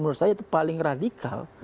menurut saya itu paling radikal